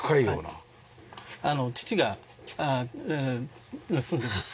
義父が住んでます。